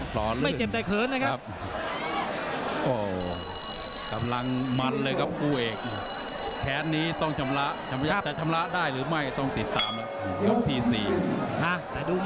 หลบด้วยมอยกี้ละหลายกาตเลยนะครับ